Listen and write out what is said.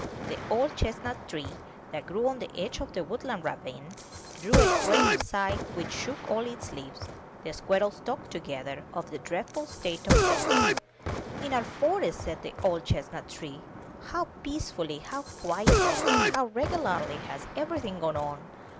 The old chestnut tree, that grew on the edge of the woodland ravine, drew a great sigh which shook all his leaves. The squirrels talked together of 270 I N THE NURSERY the dreadful state of things. *'In our forest/* said the old chestnut tree, how peacefully, how quietly, how regularly has everything gone on